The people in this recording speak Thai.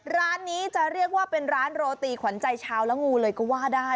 ร้านนี้จะเรียกว่าเป็นร้านโรตีขวัญใจชาวและงูเลยก็ว่าได้